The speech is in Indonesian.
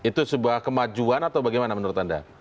itu sebuah kemajuan atau bagaimana menurut anda